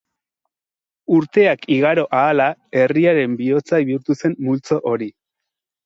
Urteak igaro ahala, herriaren bihotza bihurtu zen multzo hori.